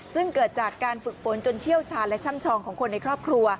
ซึ่งเกิดจากการฝึกฝนจนเชี่ยวชาญและช่ำชองของคนในครอบครัว